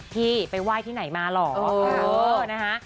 พี่ไปไหว้ที่ไหนมาหรอโอ้นะฮะ